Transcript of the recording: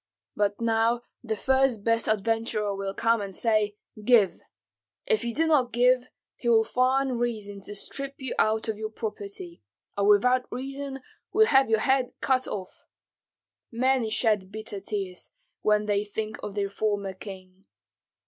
But now the first best adventurer will come and say, 'Give.' If you do not give, he will find reason to strip you of your property, or without reason will have your head cut off. Many shed bitter tears, when they think of their former king.